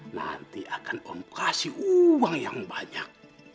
nanti akan om kasih uang yang banyak